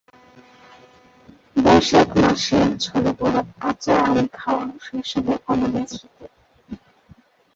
বৈশাখ মাসের ঝড়ে পড়া কাঁচা আম খাওয়া শৈশবের অনাবিল স্মৃতি।